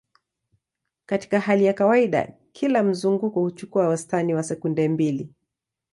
Katika hali ya kawaida, kila mzunguko huchukua wastani wa sekunde mbili.